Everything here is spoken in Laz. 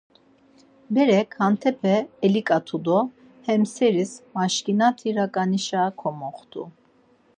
Berek hantepe eliǩatu do he seris maşkitani raǩanişa komoxtu.